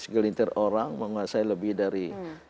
segelintir orang menguasai lebih dari